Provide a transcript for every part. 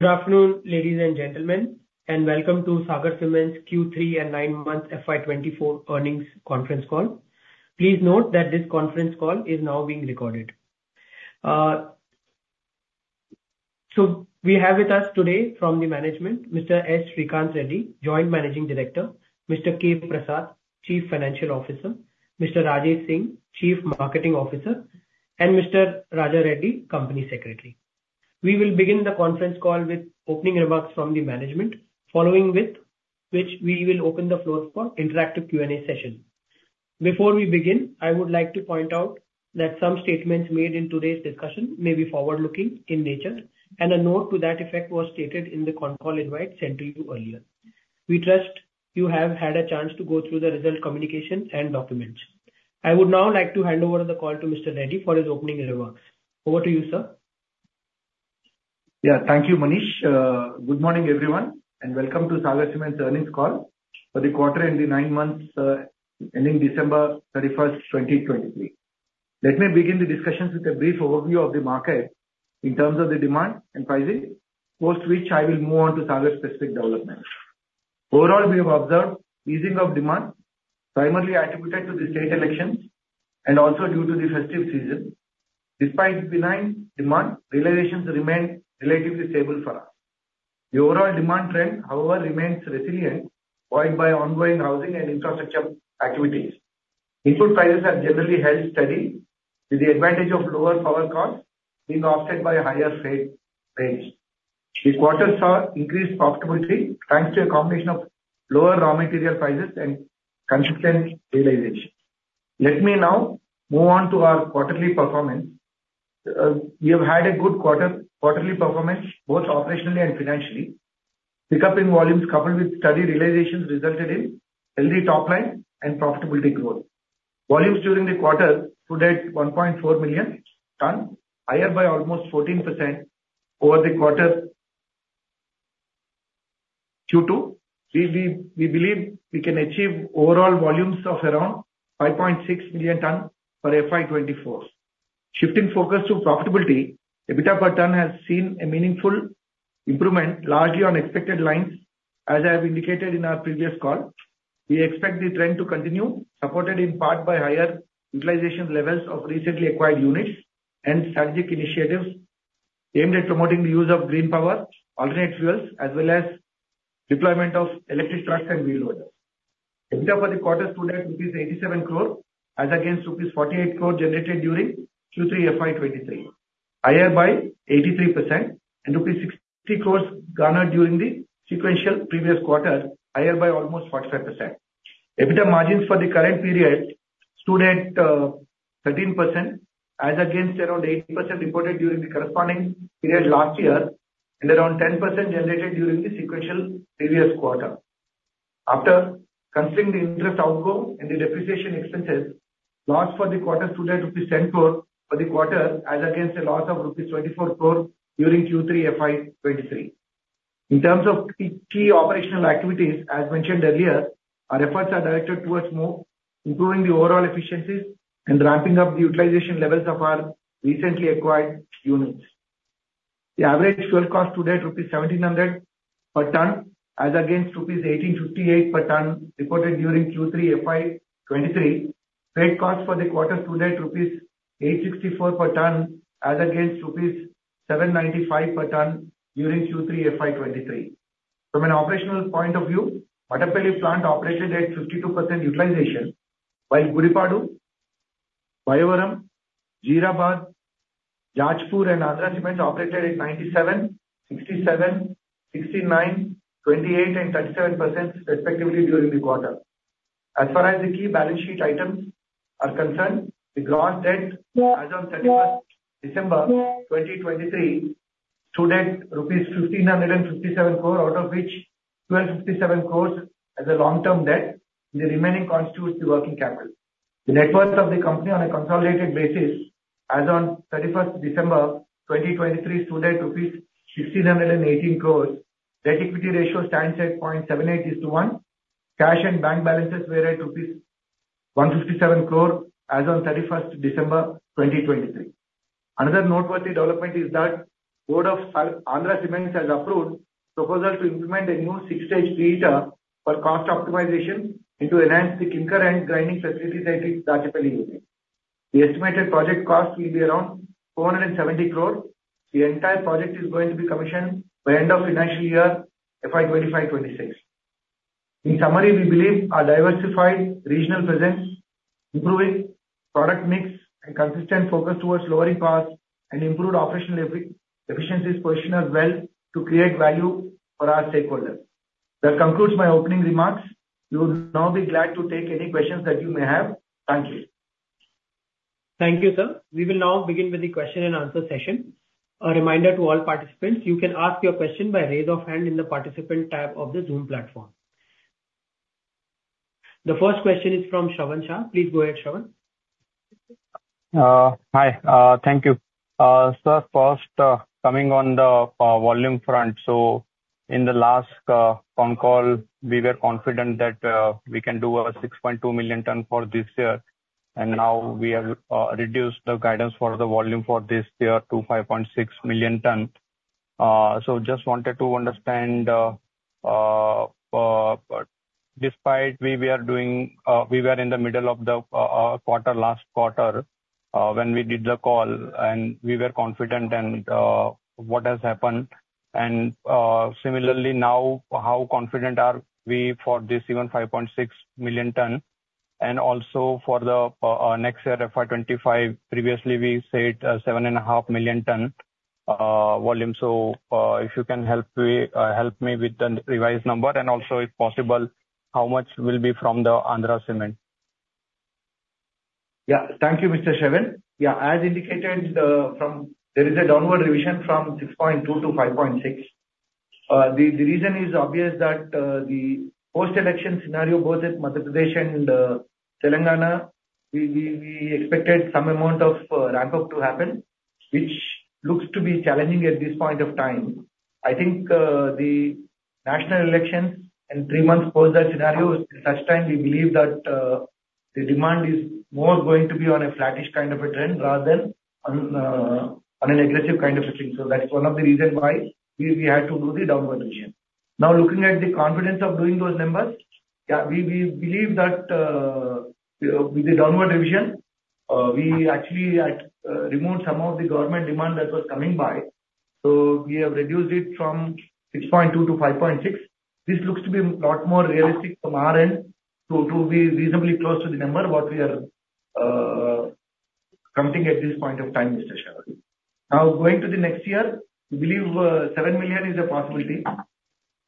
Good afternoon, ladies and gentlemen, and welcome to Sagar Cements Q3 and 9-month FY 2024 earnings conference call. Please note that this conference call is now being recorded. So we have with us today from the management, Mr. S. Sreekanth Reddy, Joint Managing Director, Mr. K. Prasad, Chief Financial Officer, Mr. Rajesh Singh, Chief Marketing Officer, and Mr. J. Raja Reddy, Company Secretary. We will begin the conference call with opening remarks from the management, following with which we will open the floor for interactive Q&A session. Before we begin, I would like to point out that some statements made in today's discussion may be forward-looking in nature, and a note to that effect was stated in the con call invite sent to you earlier. We trust you have had a chance to go through the result, communication and documents. I would now like to hand over the call to Mr. Reddy for his opening remarks. Over to you, sir. Yeah. Thank you, Manish. Good morning, everyone, and welcome to Sagar Cements' earnings call for the quarter and the nine months ending December thirty-first, twenty twenty-three. Let me begin the discussions with a brief overview of the market in terms of the demand and pricing, post which I will move on to Sagar specific developments. Overall, we have observed easing of demand, primarily attributed to the state elections and also due to the festive season. Despite benign demand, realizations remained relatively stable for us. The overall demand trend, however, remains resilient, buoyed by ongoing housing and infrastructure activities. Input prices are generally held steady, with the advantage of lower power costs being offset by higher freight rates. The quarter saw increased profitability, thanks to a combination of lower raw material prices and consistent realization. Let me now move on to our quarterly performance. We have had a good quarter, quarterly performance, both operationally and financially. Pick-up in volumes, coupled with steady realizations, resulted in healthy top line and profitability growth. Volumes during the quarter stood at 1.4 million tons, higher by almost 14% over the quarter due to we believe we can achieve overall volumes of around 5.6 million tons for FY 2024. Shifting focus to profitability, EBITDA per ton has seen a meaningful improvement, largely on expected lines. As I have indicated in our previous call, we expect the trend to continue, supported in part by higher utilization levels of recently acquired units and strategic initiatives aimed at promoting the use of green power, alternate fuels, as well as deployment of electric trucks and wheel loaders. EBITDA for the quarter stood at rupees 87 crore, as against rupees 48 crore generated during Q3 FY 2023, higher by 83% and rupees 60 crore garnered during the sequential previous quarter, higher by almost 45%. EBITDA margins for the current period stood at 13%, as against around 8% reported during the corresponding period last year and around 10% generated during the sequential previous quarter. After considering the interest outgo and the depreciation expenses, loss for the quarter stood at rupees 10 crore for the quarter, as against a loss of rupees 24 crore during Q3 FY 2023. In terms of key operational activities, as mentioned earlier, our efforts are directed towards more improving the overall efficiencies and ramping up the utilization levels of our recently acquired units. The average fuel cost stood at rupees 1,700 per ton, as against rupees 1,858 per ton reported during Q3 FY 2023. Freight cost for the quarter stood at rupees 864 per ton, as against rupees 795 per ton during Q3 FY 2023. From an operational point of view, Mattampally plant operated at 52% utilization, while Gudipadu, Bayyavaram, Jeerabad, Jajpur, and Andhra Cements operated at 97%, 67%, 69%, 28%, and 37% respectively during the quarter. As far as the key balance sheet items are concerned, the gross debt as on 31 December 2023 stood at rupees 1,557 crore, out of which 1,257 crores as a long-term debt, the remaining constitutes the working capital. The net worth of the company on a consolidated basis as on 31 December 2023 stood at rupees 1,618 crores. Debt equity ratio stands at 0.78:1. Cash and bank balances were at rupees 157 crore as on December 31, 2023. Another noteworthy development is that Board of Andhra Cements has approved proposal to implement a new six-stage preheater for cost optimization and to enhance the clinker and grinding facilities at its Dachepalli unit. The estimated project cost will be around 470 crore. The entire project is going to be commissioned by end of financial year FY 2025-26. In summary, we believe our diversified regional presence, improving product mix and consistent focus towards lowering costs and improved operational efficiencies, position us well to create value for our stakeholders. That concludes my opening remarks. We will now be glad to take any questions that you may have. Thank you. Thank you, sir. We will now begin with the question-and-answer session. A reminder to all participants, you can ask your question by raise of hand in the participant tab of the Zoom platform. The first question is from Shravan Shah. Please go ahead, Shravan. Hi, thank you. Sir, first, coming on the volume front, so in the last phone call, we were confident that we can do 6.2 million tons for this year, and now we have reduced the guidance for the volume for this year to 5.6 million tons. So just wanted to understand, despite we were doing, we were in the middle of the quarter, last quarter, when we did the call, and we were confident, and what has happened? And similarly, now, how confident are we for this even 5.6 million tons, and also for the next year, FY 2025, previously we said 7.5 million tons volume. If you can help me with the revised number, and also, if possible, how much will be from the Andhra Cement? Yeah. Thank you, Mr. Shravan. Yeah, as indicated, from there is a downward revision from 6.2 to 5.6. The reason is obvious that the post-election scenario, both at Madhya Pradesh and Telangana, we expected some amount of ramp up to happen, which looks to be challenging at this point of time. I think the national election and three months post that scenario, at such time, we believe that the demand is more going to be on a flattish kind of a trend rather than on an aggressive kind of a trend. So that's one of the reason why we had to do the downward revision. Now, looking at the confidence of doing those numbers, yeah, we, we believe that, with the downward revision, we actually at, removed some of the government demand that was coming by. So we have reduced it from 6.2 to 5.6. This looks to be a lot more realistic from our end, so to be reasonably close to the number what we are, counting at this point in time, Mr. Shravan. Now, going to the next year, we believe, seven million is a possibility,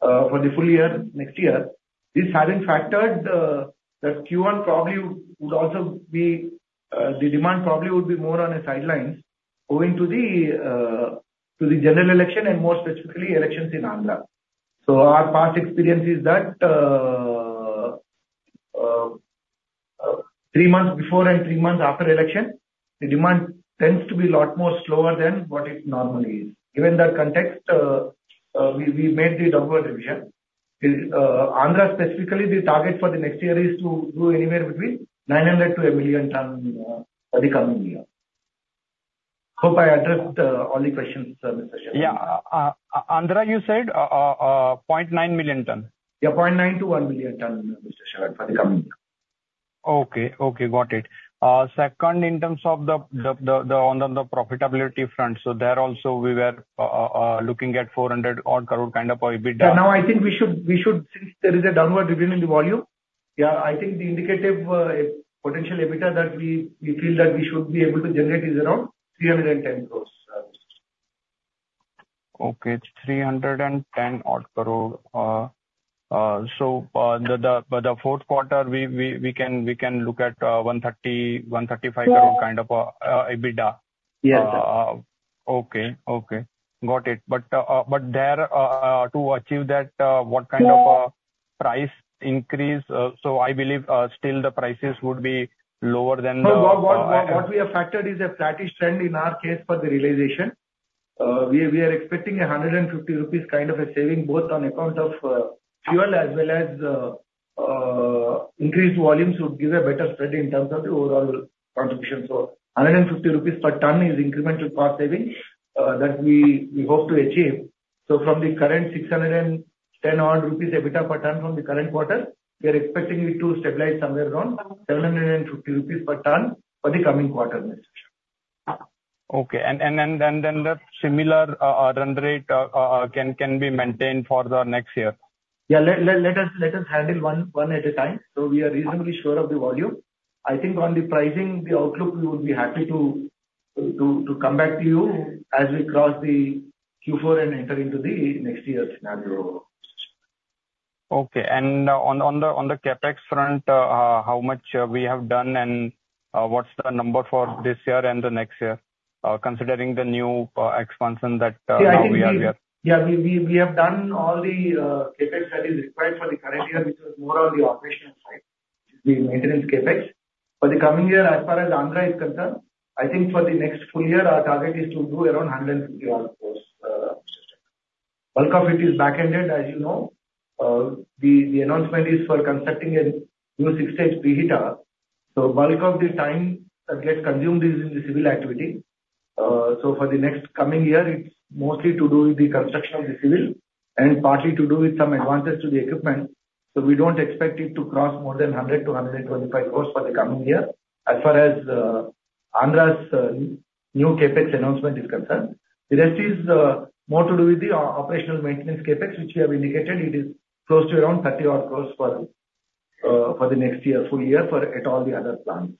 for the full year next year. This having factored, that Q1 probably would also be, the demand probably would be more on the sidelines going to the, to the general election and more specifically, elections in Andhra. Our past experience is that, three months before and three months after election, the demand tends to be a lot more slower than what it normally is. Given that context, we made the downward revision. Andhra, specifically, the target for the next year is to do anywhere between 900-1 million ton, for the coming year. Hope I addressed all the questions, Mr. Shravan. Yeah. Andhra, you said 0.9 million ton? Yeah, 0.9-1 million ton, Mr. Shravan, for the coming year. Okay, okay, got it. Second, in terms of, on the profitability front, so there also we were looking at 400-odd crore kind of EBITDA. Yeah, now, I think we should, since there is a downward revision in the volume, yeah, I think the indicative potential EBITDA that we feel that we should be able to generate is around 310 crore. Okay, 310-odd crore. So, the fourth quarter, we can look at 130-135- Yeah... crore kind of EBITDA? Yeah. Okay, okay, got it. But there to achieve that, No... what kind of price increase? So I believe still the prices would be lower than the... No, what we have factored is a flattish trend in our case for the realization. We are expecting 150 rupees kind of a saving, both on account of fuel, as well as increased volumes should give a better spread in terms of the overall contribution. So 150 rupees per ton is incremental cost saving that we hope to achieve. So from the current 610-odd rupees EBITDA per ton from the current quarter, we are expecting it to stabilize somewhere around 750 rupees per ton for the coming quarter, Mr. Shravan. Okay. And then the similar run rate can be maintained for the next year? Yeah. Let us handle one at a time. So we are reasonably sure of the volume. I think on the pricing, the outlook, we would be happy to come back to you as we cross the Q4 and enter into the next year's scenario. Okay. On the CapEx front, how much we have done, and what's the number for this year and the next year, considering the new expansion that now we are there? Yeah, we have done all the CapEx that is required for the current year, which is more on the operational side, the maintenance CapEx. For the coming year, as far as Andhra is concerned, I think for the next full year, our target is to do around 150-odd crores. Bulk of it is backended, as you know. The announcement is for constructing a new six-stage preheater. So bulk of the time that gets consumed is in the civil activity. So for the next coming year, it's mostly to do with the construction of the civil and partly to do with some advances to the equipment. So we don't expect it to cross more than 100-125 crores for the coming year. As far as Andhra's new CapEx announcement is concerned, the rest is more to do with the operational maintenance CapEx, which we have indicated. It is close to around 30-odd crores for the next year, full year, for all the other plants.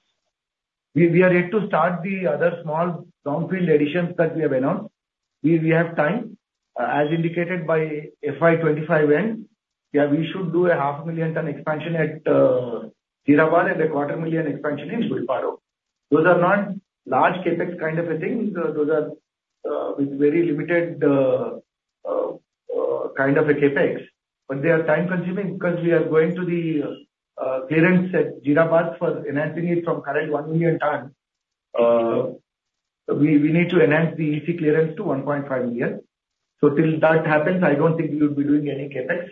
We are yet to start the other small brownfield additions that we have announced. We have time, as indicated by FY 2025 end, yeah, we should do a 500,000-ton expansion at Jajpur and a 250,000 expansion in Gulbarga. Those are not large CapEx kind of a thing. Those are with very limited kind of a CapEx, but they are time-consuming because we are going to the clearance at Jajpur for enhancing it from current 1 million ton... So we need to enhance the EC clearance to 1.5 million. So till that happens, I don't think we would be doing any CapEx.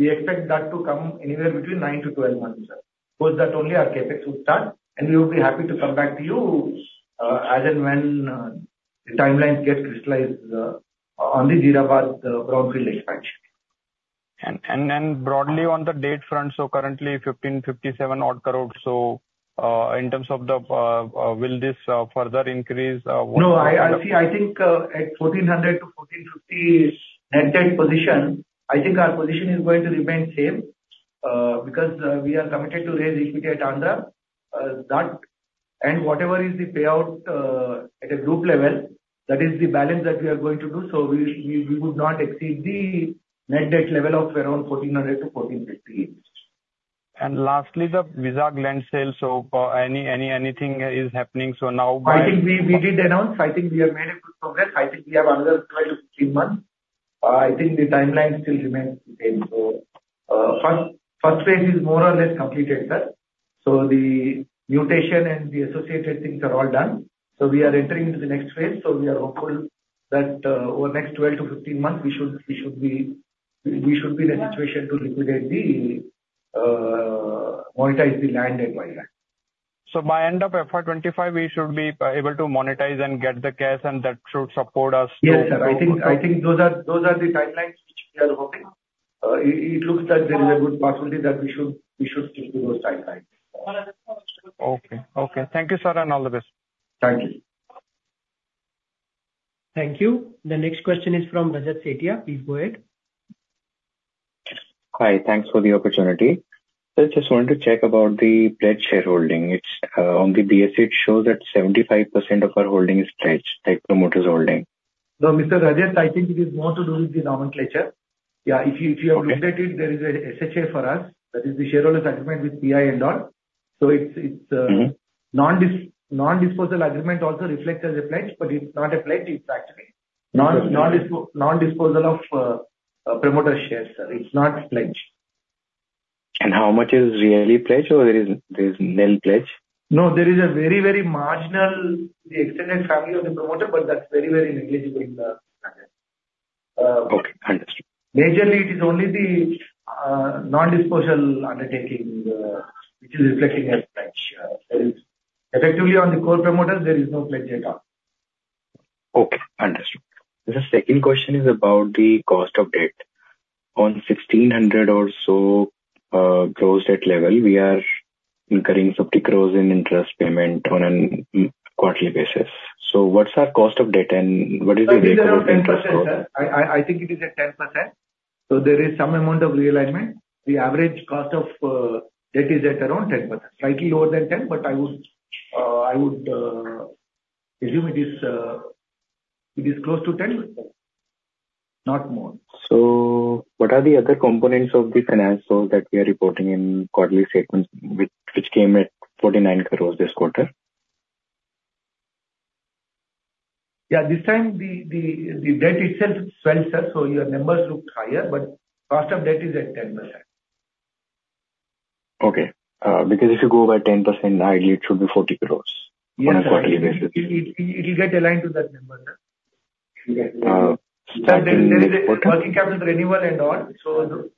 We expect that to come anywhere between 9-12 months, sir. Post that only our CapEx will start, and we will be happy to come back to you, as and when the timelines get crystallized, on the Jeerabad brownfield expansion. And then broadly on the debt front, so currently 1,557 crore odd. So, in terms of the, will this further increase, what- No, I see, I think, at 1,400-1,450 net debt position, I think our position is going to remain same, because we are committed to raise equity at Andhra. That and whatever is the payout, at a group level, that is the balance that we are going to do. So we would not exceed the net debt level of around 1,400-1,458. Lastly, the Vizag land sale. So, anything is happening so now by- I think we did announce. I think we have made good progress. I think we have another 12-15 months. I think the timeline still remains the same. So, first phase is more or less completed, sir. So the mutation and the associated things are all done. So we are entering into the next phase, so we are hopeful that, over the next 12-15 months, we should be in a situation to liquidate the, monetize the land and buy that. By end of FY 25, we should be able to monetize and get the cash, and that should support us to- Yes, sir. I think those are the timelines which we are hoping. It looks that there is a good possibility that we should stick to those timelines. Okay. Okay. Thank you, sir, and all the best. Thank you. Thank you. The next question is from Rajat Sethia. Please go ahead. Hi. Thanks for the opportunity. I just wanted to check about the pledged shareholding. It's on the NBFC. It shows that 75% of our holding is pledged, like promoter's holding. No, Mr. Rajat, I think it is more to do with the nomenclature. Yeah, if you, if you have looked at it, there is a SHA for us, that is the shareholders agreement with PI and all. So it's, it's. Mm-hmm. Non-disposal agreement also reflects as a pledge, but it's not a pledge, it's actually non-disposal of promoter shares, sir. It's not pledge. How much is really pledged or there is nil pledge? No, there is a very, very marginal, the extended family of the promoter, but that's very, very negligible in the share. Okay, understood. Majorly, it is only the non-disposal undertaking which is reflecting as pledge. There is... Effectively on the core promoter, there is no pledge at all. Okay, understood. The second question is about the cost of debt. On 1,600 or so gross debt level, we are incurring 50 crore in interest payment on a quarterly basis. So what's our cost of debt, and what is the rate of interest, sir? It is around 10%, sir. I think it is at 10%, so there is some amount of realignment. The average cost of debt is at around 10%. Slightly lower than 10, but I would assume it is close to 10, not more. What are the other components of the finance role that we are reporting in quarterly statements, which came at 49 crore this quarter? Yeah, this time the debt itself is well, sir, so your numbers looked higher, but cost of debt is at 10%. Okay. Because if you go by 10%, ideally it should be 40 crore- Yes. On a quarterly basis. It will get aligned to that number, sir. Starting next quarter? There is a working capital renewal and all, so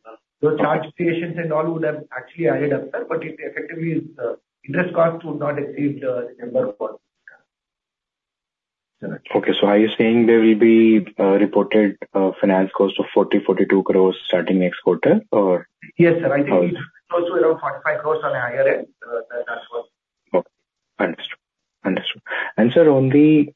the charge creations and all would have actually added up, sir, but it effectively, interest cost would not exceed the number for- Okay. So are you saying there will be reported finance cost of 40-42 crores starting next quarter, or? Yes, sir. Oh. I think it's close to around 45 crore on the higher end. That works. Okay. Understood. Understood. Sir, on the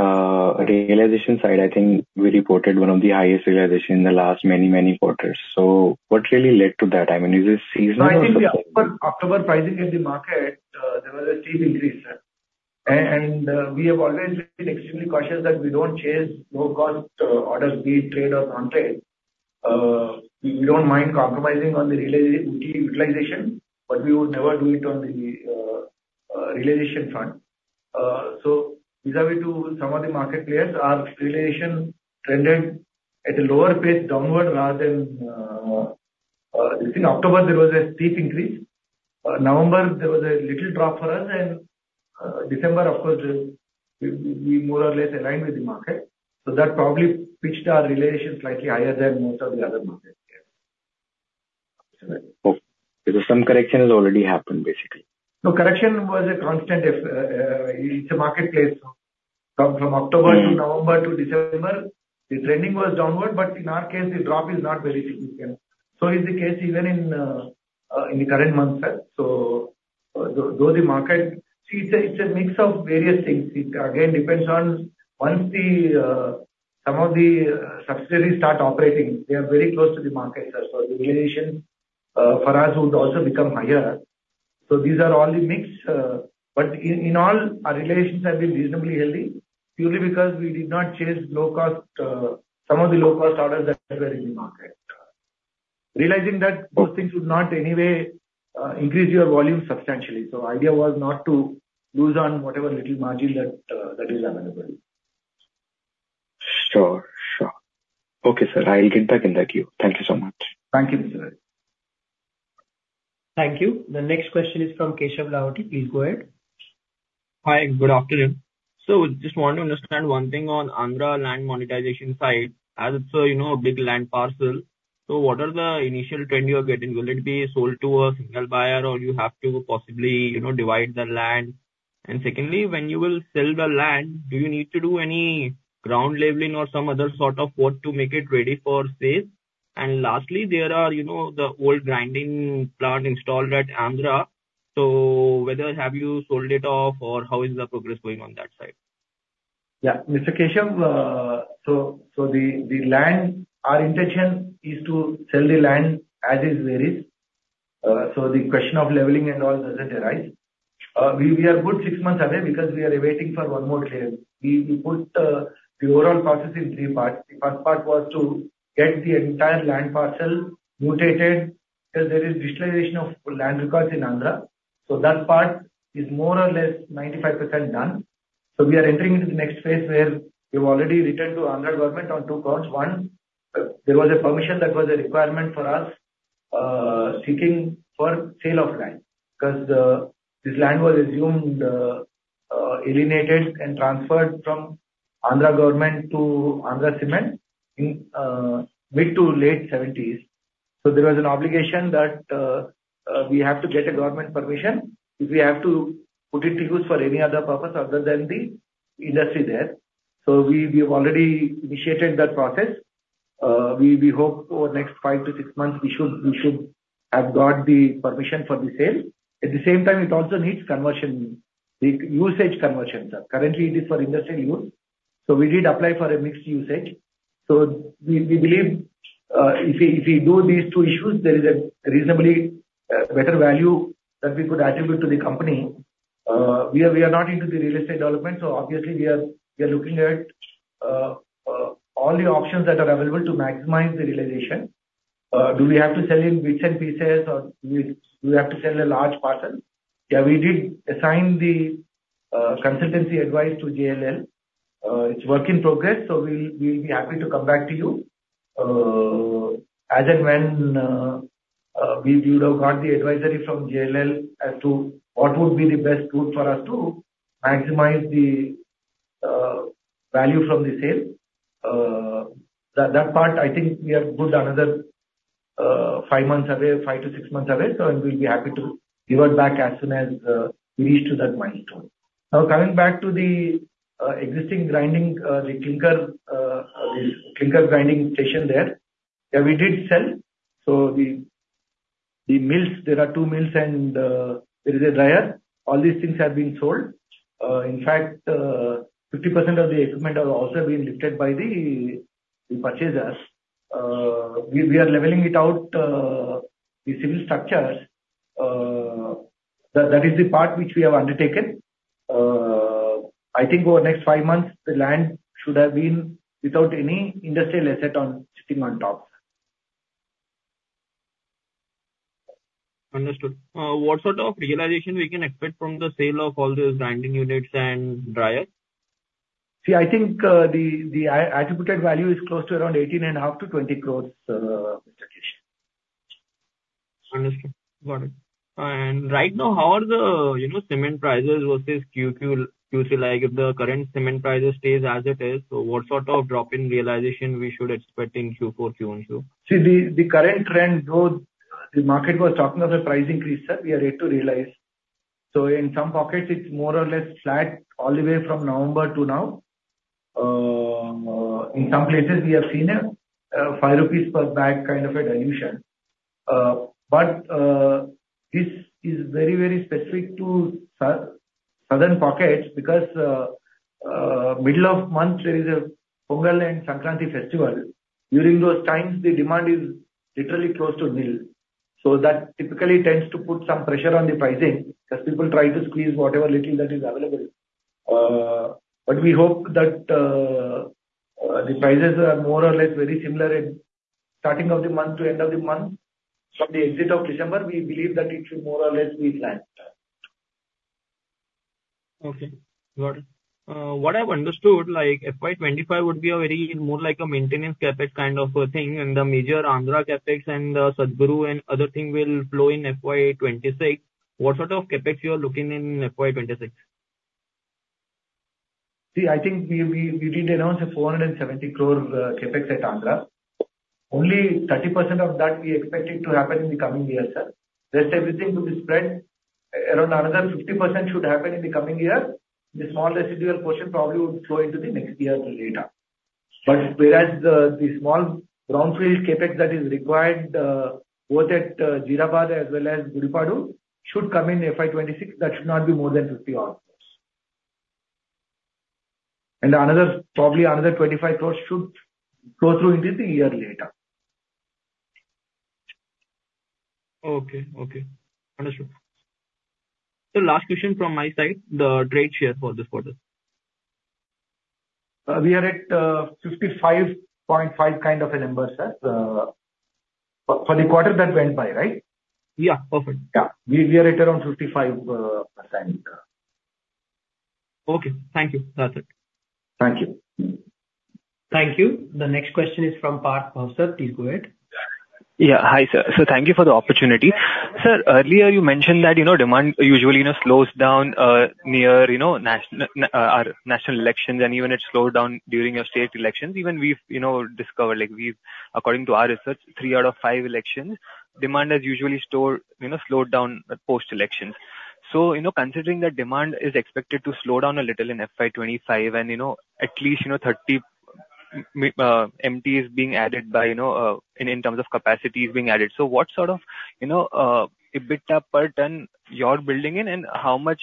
realization side, I think we reported one of the highest realization in the last many, many quarters. So what really led to that? I mean, is it seasonal or- I think the October, October pricing in the market, there was a steep increase, sir. We have always been extremely cautious that we don't chase low-cost orders, be it trade or non-trade. We don't mind compromising on the utility, utilization, but we would never do it on the realization front. So vis-à-vis to some of the market players, our realization trended at a lower pace downward rather than... In October, there was a steep increase. November, there was a little drop for us, and December, of course, we more or less aligned with the market. So that probably pitched our realization slightly higher than most of the other market shares. Okay. So some correction has already happened, basically? No, correction was a constant if it's a marketplace. From October- Mm-hmm... to November to December, the trending was downward, but in our case, the drop is not very significant. So is the case even in the current month, sir. So though, though the market... See, it's a, it's a mix of various things. It again, depends on once the some of the subsidiaries start operating, they are very close to the market. And so the realization for us would also become higher. So these are all the mix, but in all, our relations have been reasonably healthy, purely because we did not chase low-cost some of the low-cost orders that were in the market. Realizing that those things would not anyway increase your volume substantially. So idea was not to lose on whatever little margin that that is available. Sure, sure. Okay, sir, I will get back in the queue. Thank you so much. Thank you, Mr. Rajat... Thank you. The next question is from Keshav Lahoti. Please go ahead. Hi, good afternoon. Just want to understand one thing on Andhra land monetization side, as you know, big land parcel. What are the initial trend you are getting? Will it be sold to a single buyer or you have to possibly, you know, divide the land? And secondly, when you will sell the land, do you need to do any ground leveling or some other sort of work to make it ready for sale? And lastly, there are, you know, the old grinding plant installed at Andhra. Whether have you sold it off or how is the progress going on that side? Yeah. Mr. Keshav, so the land, our intention is to sell the land as is where is. So the question of leveling and all doesn't arise. We are good six months away because we are waiting for one more clearance. We put the overall process in three parts. The first part was to get the entire land parcel mutated, because there is digitization of land records in Andhra, so that part is more or less 95% done. So we are entering into the next phase where we've already written to Andhra government on two counts. One, there was a permission that was a requirement for us seeking sale of land, because this land was assumed alienated and transferred from Andhra Government to Andhra Cements in mid- to late-seventies. So there was an obligation that, we have to get a government permission if we have to put it to use for any other purpose other than the industry there. So we have already initiated that process. We hope over the next five-six months, we should have got the permission for the sale. At the same time, it also needs conversion, the usage conversion, sir. Currently, it is for industrial use, so we did apply for a mixed usage. So we believe, if we do these two issues, there is a reasonably better value that we could attribute to the company. We are not into the real estate development, so obviously we are looking at all the options that are available to maximize the realization. Do we have to sell in bits and pieces or do we have to sell a large parcel? Yeah, we did assign the consultancy advice to JLL. It's work in progress, so we'll be happy to come back to you as and when we would have got the advisory from JLL as to what would be the best route for us to maximize the value from the sale. That part, I think we are good another five months away, five-six months away, so we'll be happy to revert back as soon as we reach to that milestone. Now, coming back to the existing grinding, the clinker grinding station there. Yeah, we did sell, so the mills, there are two mills and there is a dryer. All these things have been sold. In fact, 50% of the equipment have also been lifted by the purchasers. We are leveling it out, the civil structures, that is the part which we have undertaken. I think over the next five months, the land should have been without any industrial asset on, sitting on top. Understood. What sort of realization we can expect from the sale of all those grinding units and dryers? See, I think, the attributed value is close to around 18.5-20 crores, Mr. Keshav. Understood. Got it. And right now, how are the, you know, cement prices versus QQ, QC? Like, if the current cement prices stays as it is, so what sort of drop in realization we should expect in Q4, Q1, too? See, the current trend, though, the market was talking of a price increase, sir, we are yet to realize. So in some pockets, it's more or less flat all the way from November to now. In some places we have seen a 5 rupees per bag kind of a dilution. But this is very, very specific to southern pockets because middle of month there is a Pongal and Sankranti Festival. During those times, the demand is literally close to nil. So that typically tends to put some pressure on the pricing as people try to squeeze whatever little that is available. But we hope that the prices are more or less very similar in starting of the month to end of the month. From the exit of December, we believe that it should more or less be flat. Okay, got it. What I've understood, like, FY 25 would be a very more like a maintenance CapEx kind of a thing, and the major Andhra CapEx and the Satguru and other thing will flow in FY 26. What sort of CapEx you are looking in FY 26? See, I think we did announce 470 crore CapEx at Andhra. Only 30% of that we are expecting to happen in the coming year, sir. Rest everything will be spread around another 50% should happen in the coming year. The small residual portion probably would flow into the next year later. But whereas the small brownfield CapEx that is required both at Jeerabad as well as Gudipadu, should come in FY 2026. That should not be more than 50 crore odd. And another, probably another 25 crore should go through into the year later. Okay, okay. Understood. So last question from my side, the trade share for this quarter. We are at 55.5 kind of a number, sir. For the quarter that went by, right? Yeah, perfect. Yeah. We are at around 55%,... ...Okay, thank you. That's it. Thank you. Thank you. The next question is from Parth Bhavsar,. Yeah. Hi, sir. So thank you for the opportunity. Sir, earlier you mentioned that, you know, demand usually, you know, slows down near, you know, our national elections, and even it slowed down during your state elections. Even we've, you know, discovered, like, we've according to our research, three out of five elections, demand has usually slowed, you know, slowed down post-election. So, you know, considering that demand is expected to slow down a little in FY 25 and, you know, at least, you know, 30 MT is being added by, you know, in, in terms of capacity is being added. So what sort of, you know, EBITDA per ton you're building in? And how much,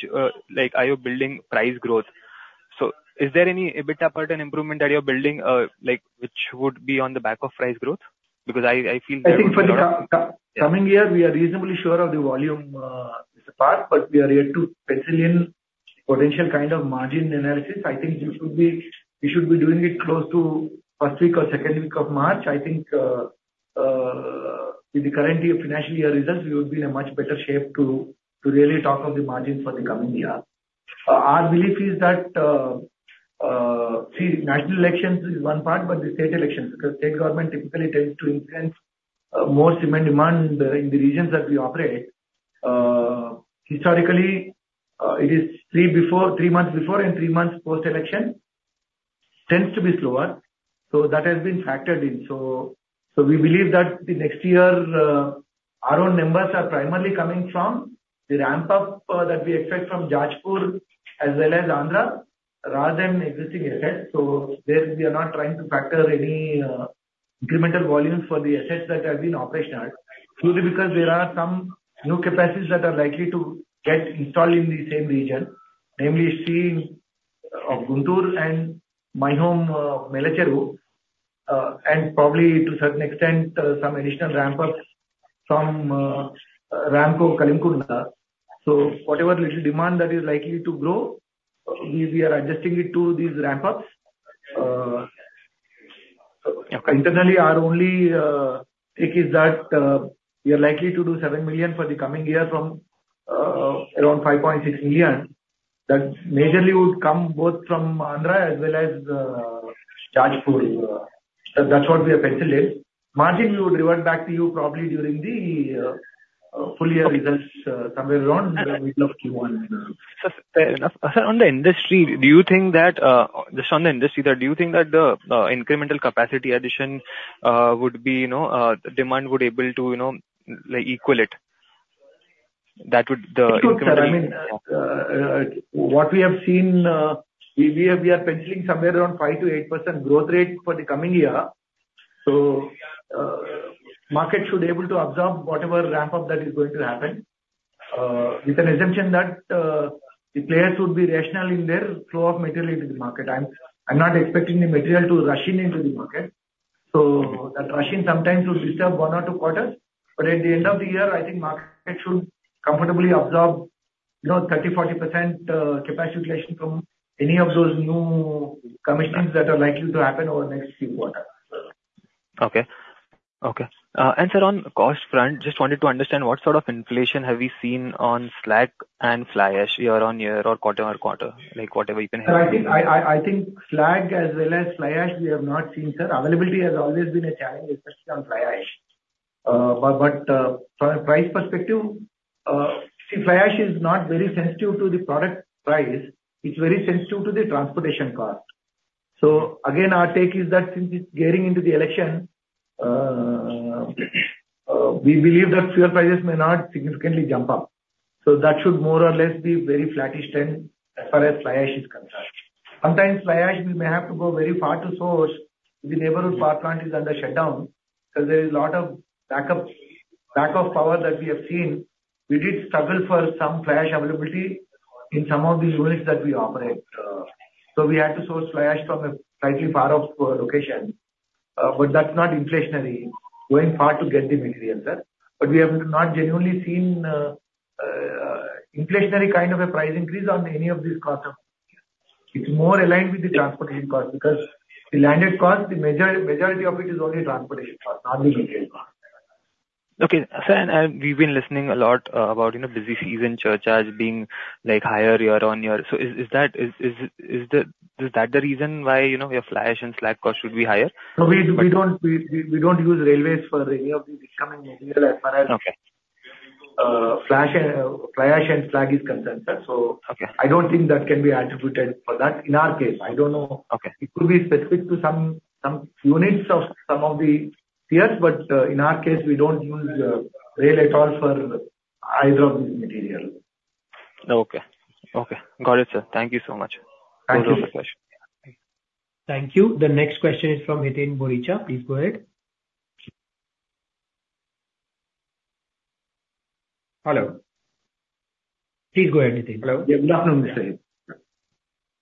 like, are you building price growth? Is there any EBITDA per ton improvement that you're building, like, which would be on the back of price growth? Because I feel- I think for the coming year, we are reasonably sure of the volume, part, but we are yet to penciling potential kind of margin analysis. I think this should be, we should be doing it close to first week or second week of March. I think, with the current year financial year results, we would be in a much better shape to really talk of the margin for the coming year. Our belief is that, see, national elections is one part, but the state elections, because state government typically tends to increase more cement demand in the regions that we operate. Historically, it is three months before and three months post-election, tends to be slower. So that has been factored in. So we believe that the next year, our own numbers are primarily coming from the ramp up that we expect from Jajpur as well as Andhra, rather than existing assets. So there we are not trying to factor any incremental volumes for the assets that have been operationalized. Truly, because there are some new capacities that are likely to get installed in the same region, namely Shree of Guntur and My Home, Mellacheruvu, and probably to certain extent, some additional ramp up from Ramco Kolimigundla. So whatever little demand that is likely to grow, we are adjusting it to these ramp ups. Okay. Internally, our only take is that we are likely to do 7 million for the coming year from around 5.6 million. That majorly would come both from Andhra as well as Jajpur. That's what we have penciled in. Margin, we would revert back to you probably during the full year results, somewhere around middle of Q1. Sir, fair enough. Sir, on the industry, do you think that, just on the industry, that do you think that the incremental capacity addition would be, you know, demand would able to, you know, like, equal it? That would the- It would, sir, I mean, what we have seen, we are penciling somewhere around 5%-8% growth rate for the coming year. So, market should able to absorb whatever ramp up that is going to happen. With an assumption that, the players would be rational in their flow of material into the market. I'm not expecting the material to rush in into the good market. So that rushing sometimes will disturb one or two quarters, but at the end of the year, I think market should comfortably absorb, you know, 30%, 40% capacity utilization from any of those new commissions that are likely to happen over the next Q1. Okay. Okay. And sir, on cost front, just wanted to understand what sort of inflation have we seen on slag and fly ash year-on-year or quarter-on-quarter? Like, whatever you can help. So I think slag as well as fly ash, we have not seen, sir. Availability has always been a challenge, especially on fly ash. But from a price perspective, fly ash is not very sensitive to the product price. It's very sensitive to the transportation cost. So again, our take is that since it's getting into the election, we believe that fuel prices may not significantly jump up. So that should more or less be very flattish then, as far as fly ash is concerned. Sometimes fly ash, we may have to go very far to source, if the neighboring power plant is under shutdown, because there is a lot of backup, lack of power that we have seen. We did struggle for some fly ash availability in some of the units that we operate. So we had to source fly ash from a slightly far off location, but that's not inflationary, going far to get the material, sir. But we have not genuinely seen inflationary kind of a price increase on any of these costs. It's more aligned with the transportation cost, because the landed cost, the majority of it is only transportation cost, not the material cost. Okay, sir, we've been listening a lot about, you know, busy season surcharge being, like, higher year-on-year. So is that the reason why, you know, your fly ash and slag cost should be higher? No, we don't use railways for any of the incoming material as far as- Okay. As far as fly ash and slag is concerned, sir. Okay. I don't think that can be attributed for that in our case. I don't know. Okay. It could be specific to some units of some of the peers, but in our case, we don't use rail at all for either of the material. Okay. Okay. Got it, sir. Thank you so much. Thank you. Those are the questions. Thank you. The next question is from Hiten Boricha. Please go ahead. Hello. Please go ahead, Hiten. Hello. Good morning, sir.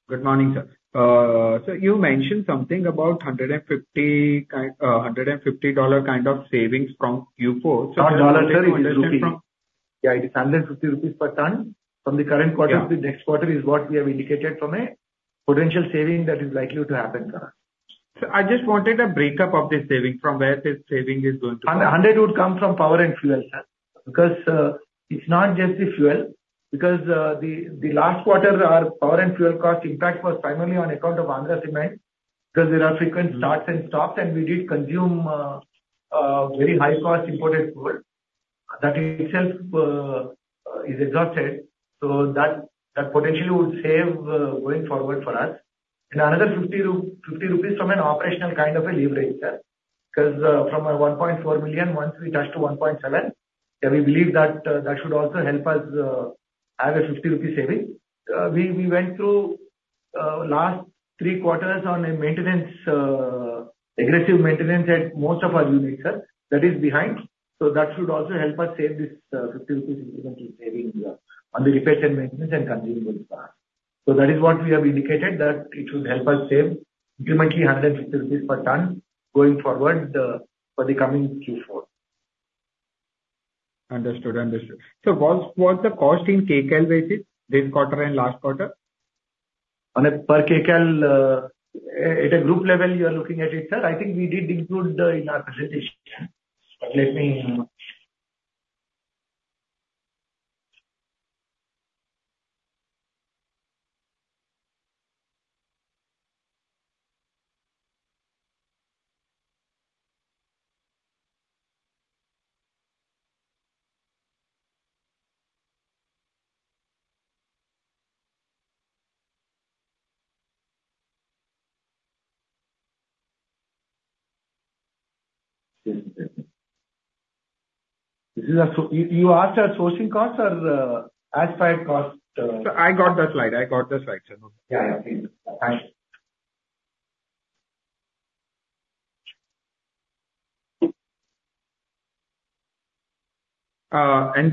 Good morning, sir. So you mentioned something about $150 kind of savings from Q4. Not dollar, sir, it is rupee. Yeah, it is 150 rupees per ton. From the current quarter- Yeah... to the next quarter is what we have indicated from a potential saving that is likely to happen, sir.... Sir, I just wanted a breakdown of the savings from where this saving is going to come? 100 would come from power and fuel, sir, because it's not just the fuel, because the last quarter, our power and fuel cost impact was primarily on account of Andhra Cements, because there are frequent starts and stops, and we did consume very high cost imported fuel. That itself is exhausted, so that potentially would save going forward for us. And another 50 rupees from an operational kind of a leverage, sir. Because from a 1.4 million, once we touch to 1.7, then we believe that that should also help us have an 50 rupee saving. We went through last three quarters on a maintenance, aggressive maintenance at most of our units, sir. That is behind, so that should also help us save this, 50 rupees incremental saving, on the repair and maintenance and consumables part. So that is what we have indicated, that it should help us save incrementally 150 rupees per ton going forward, for the coming Q4. Understood. Understood. So what, what's the cost in kcal basis, this quarter and last quarter? On a per kcal, at a group level, you are looking at it, sir? I think we did include that in our presentation. But let me... You, you asked our sourcing costs or, as per our costs? I got the slide. I got the slide, sir. Yeah, yeah. Thanks.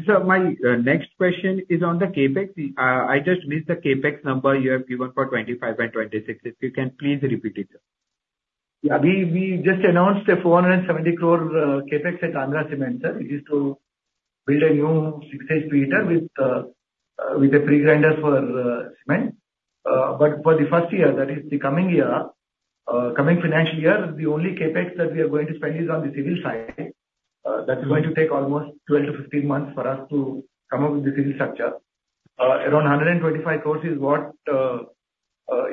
Sir, my next question is on the CapEx. I just missed the CapEx number you have given for 2025 and 2026, if you can please repeat it, sir. Yeah. We, we just announced 470 crore CapEx at Andhra Cements, sir. Which is to build a new six-stage preheater with a pre-grinder for cement. But for the first year, that is the coming year, coming financial year, the only CapEx that we are going to spend is on the civil side. That is going to take almost 12-15 months for us to come up with the civil structure. Around 125 crore is what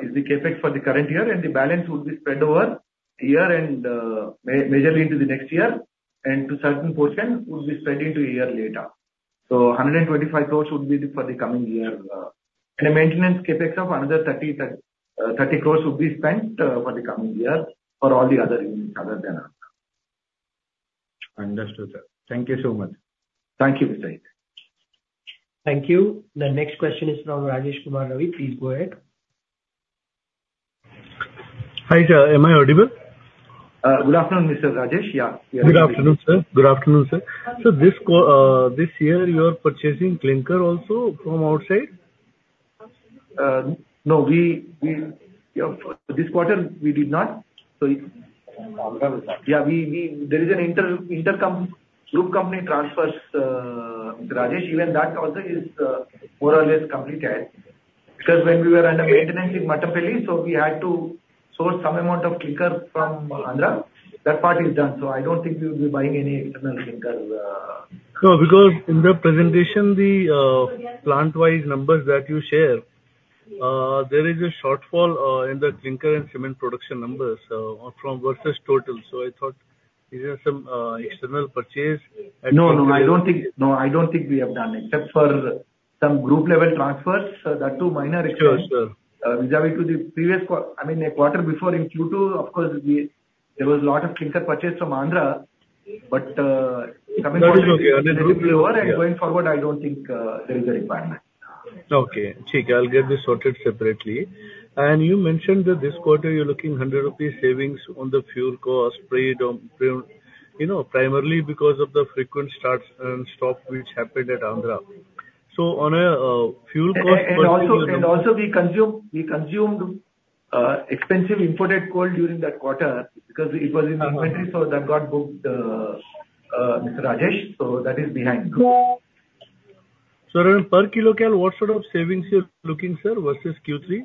is the CapEx for the current year, and the balance would be spread over a year and majorly into the next year, and a certain portion would be spread into a year later. 125 crore would be for the coming year, and a maintenance CapEx of another 30 crore will be spent for the coming year for all the other units other than Andhra. Understood, sir. Thank you so much. Thank you, Hiten. Thank you. The next question is from Rajesh Kumar Ravi. Please go ahead. Hi, sir. Am I audible? Good afternoon, Mr. Rajesh. Yeah. Good afternoon, sir. Good afternoon, sir. So this year, you are purchasing clinker also from outside? No, this quarter, we did not. So, yeah, there is an intercompany group company transfers, Rajesh. Even that also is more or less completed. Because when we were under maintenance in Mattampally, so we had to source some amount of clinker from Andhra. That part is done, so I don't think we'll be buying any external clinker. No, because in the presentation, the plant-wide numbers that you share, there is a shortfall in the Clinker and cement production numbers from versus total. So I thought, is there some external purchase? No, no, I don't think. No, I don't think we have done, except for some group level transfers. So that too, minor- Sure, sure. Vis-à-vis to the previous quarter—I mean, a quarter before in Q2, of course, we, there was a lot of clinker purchase from Andhra, but, That is okay. Going forward, I don't think there is a requirement. Okay. I'll get this sorted separately. And you mentioned that this quarter you're looking at 100 rupees savings on the fuel cost, paid on, you know, primarily because of the frequent starts and stops which happened at Andhra. So on a fuel cost- And also, we consumed expensive imported coal during that quarter because it was in inventory, so that got booked, Mr. Rajesh, so that is behind. Around per kcal, what sort of savings you're looking, sir, versus Q3?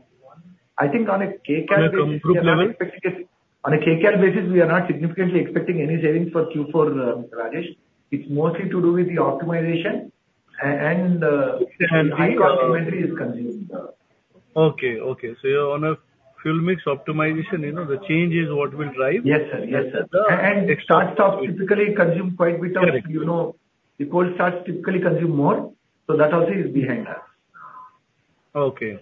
I think on a Kcal- On a group level. On a Kcal basis, we are not significantly expecting any savings for Q4, Rajesh. It's mostly to do with the optimization and high complementary is consumed. Okay, okay. So you're on a fuel mix optimization, you know, the change is what will drive? Yes, sir. Yes, sir. The- Start, stop typically consume quite a bit of- Correct. You know, the cold starts typically consume more, so that also is behind us. Okay.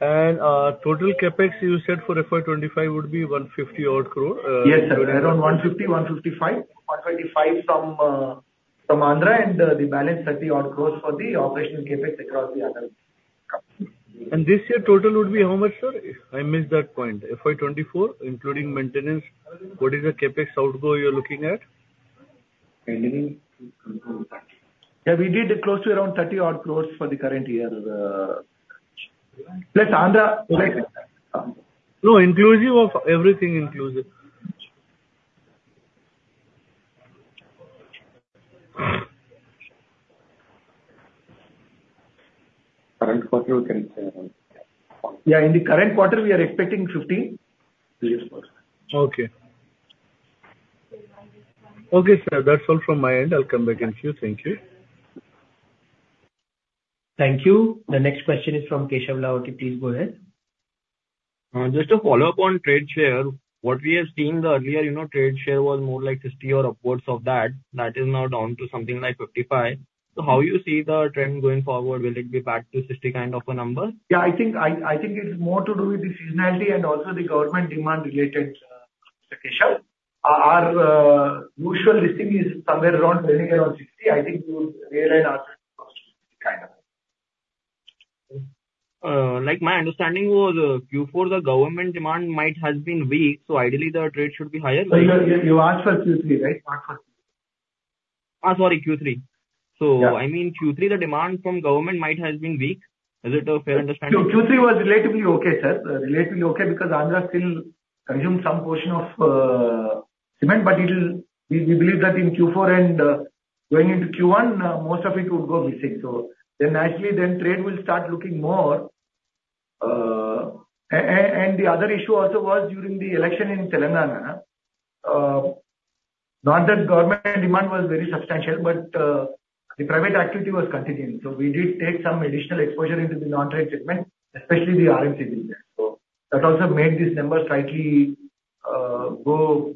And, total CapEx you said for FY 25 would be 150 odd crore. Yes, sir. Around 150 crore-155 crore. 125 crore from Andhra, and the balance 30-odd crores for the operational CapEx across the other. This year total would be how much, sir? If I missed that point, FY 2024, including maintenance, what is the CapEx outgo you're looking at? Yeah, we did close to around 30-odd crore for the current year, plus Andhra, like- No, inclusive of everything inclusive. ... Current quarter we can say? Yeah, in the current quarter, we are expecting 15. Okay. Okay, sir, that's all from my end. I'll come back if you. Thank you. Thank you. The next question is from Keshav Lahoti. Please go ahead. Just to follow up on trade share, what we have seen the earlier, you know, trade share was more like 60 or upwards of that. That is now down to something like 55. So how you see the trend going forward? Will it be back to 60 kind of a number? Yeah, I think, I, I think it's more to do with the seasonality and also the government demand related, Mr. Keshav. Our usual listing is somewhere around 20 or 60. I think you realize our kind of. Like my understanding was, Q4, the government demand might has been weak, so ideally the trade should be higher. You asked for Q3, right? Sorry, Q3. Yeah. I mean, Q3, the demand from government might has been weak. Is it a fair understanding? Q3 was relatively okay, sir. Relatively okay, because Andhra still consumes some portion of cement, but we believe that in Q4 and going into Q1, most of it would go missing. So then naturally, trade will start looking more. And the other issue also was during the election in Telangana, not that government demand was very substantial, but the private activity was continuing. So we did take some additional exposure into the non-trade segment, especially the RMCB. So that also made this number slightly go